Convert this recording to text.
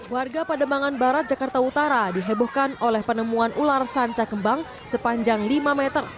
warga pademangan barat jakarta utara dihebohkan oleh penemuan ular sanca kembang sepanjang lima meter